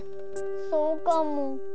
そうかも。